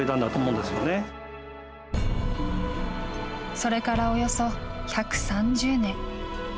それから、およそ１３０年。